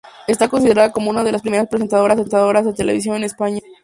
Está considerada como una de las primeras presentadoras de televisión en España.